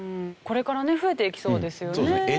これからね増えていきそうですよね。